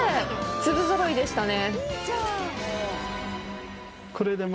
粒ぞろいでしたね。